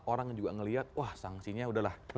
orang juga melihat wah sanksinya udahlah